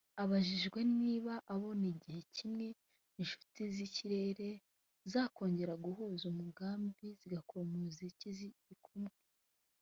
Abajijwe niba abona igihe kimwe Inshuti z’ikirere zakongera guhuza umugambi zigakora umuziki ziri kumwe